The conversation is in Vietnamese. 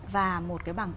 và một cái bảng